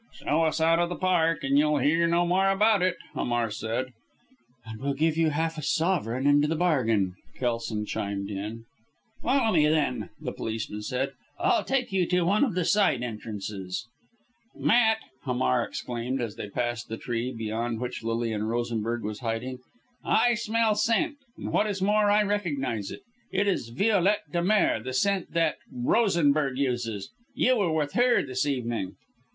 "Show us out of the Park and you'll hear no more about it," Hamar said. "And we'll give you half a sovereign into the bargain," Kelson chimed in. "Follow me then," the policeman said. "I'll take you to one of the side entrances." "Matt!" Hamar exclaimed as they passed the tree behind which Lilian Rosenberg was hiding, "I smell scent and what is more I recognize it. It is Violette de mer the scent that Rosenberg uses! You were with her this evening!"